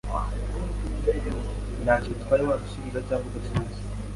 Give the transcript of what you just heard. Ntacyo bitwaye waba usubiza cyangwa udasubije.